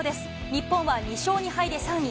日本は２勝２敗で３位。